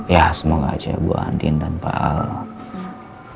ya semoga aja bu anin dan pak alan